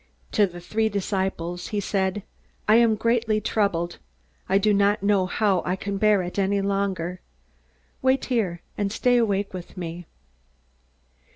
To the three disciples he said: "I am greatly troubled. I do not know how I can bear it any longer. Wait here, and stay awake with me."